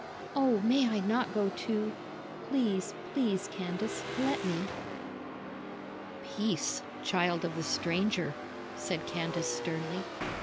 Oh, may I not go too? Please, please, Candace, let me." "Peace! child of the stranger," said Candace sternly.